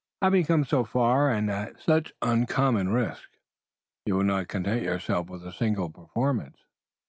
Having come so far and at such uncommon risks, you will not content yourself with a single performance?"